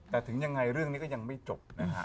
แต่ถึงยังไงเรื่องนี้ก็ยังไม่จบนะฮะ